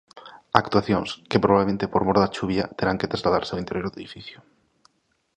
Actuacións, que probablemente por mor da chuvia terán que trasladarse ao interior do edificio.